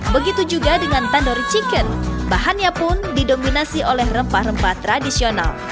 begitu juga dengan tandori chicken bahannya pun didominasi oleh rempah rempah tradisional